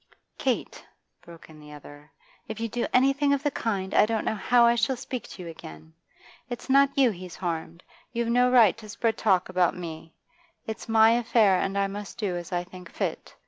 'Kate,' broke in the other, 'if you do anything of the kind, I don't know how I shall speak to you again. Its not you he's harmed; you've no right to spread talk about me It's my affair, and I must do as I think fit.